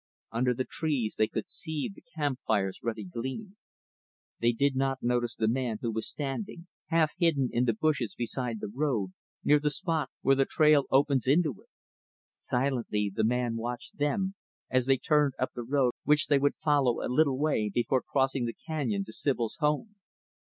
Under the trees, they could see the camp fire's ruddy gleam. They did not notice the man who was standing, half hidden, in the bushes beside the road, near the spot where the trail opens into it. Silently, the man watched them as they turned up the road which they would follow a little way before crossing the canyon to Sibyl's home.